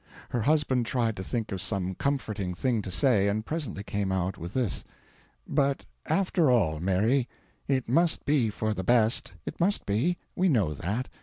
Her husband tried to think of some comforting thing to say, and presently came out with this: "But after all, Mary, it must be for the best it must be; we know that.